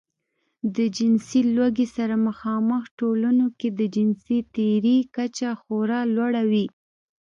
د جنسي لوږې سره مخامخ ټولنو کې د جنسي تېري کچه خورا لوړه وي.